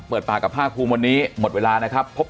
เปิดปากกับภาคภูมิวันนี้หมดเวลานะครับ